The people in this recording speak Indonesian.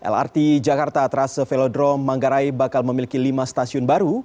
lrt jakarta trase velodrome manggarai bakal memiliki lima stasiun baru